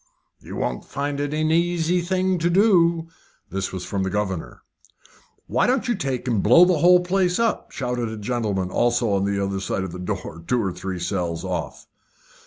"You won't find it an easy thing to do." This was from the governor. "Why don't you take and blow the whole place up?" shouted a gentleman, also on the other side of the door, two or three cells off.